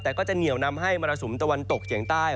แต่ก็จะเหนียวนำให้มรสุมตะวันตกเฉียงใต้